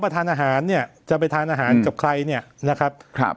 ดังนั้นเนี่ยจะไปทานอาหารกับใครเนี่ยนะครับ